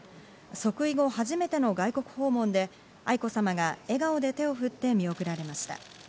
即位後、初めての外国訪問で、愛子さまが笑顔で手を振って見送られました。